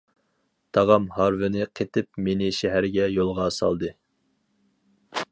تاغام ھارۋىنى قېتىپ مېنى شەھەرگە يولغا سالدى.